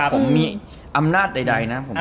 ผมมีอำนาจใดนะ